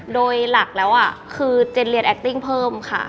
โดยหลักแล้วคือเจนเรียนแอคติ้งเพิ่มค่ะ